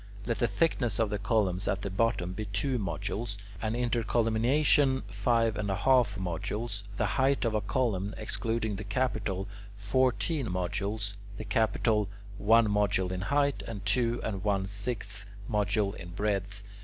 Let the thickness of the columns at the bottom be two modules; an intercolumniation, five and a half modules; the height of a column, excluding the capital, fourteen modules; the capital, one module in height and two and one sixth modules in breadth.